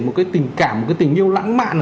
một cái tình cảm một cái tình yêu lãng mạn